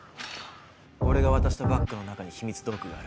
俺が渡したバッグの中に秘密道具がある。